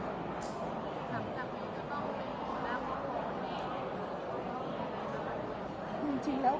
พี่คิดว่าเข้างานทุกครั้งอยู่หรือเปล่า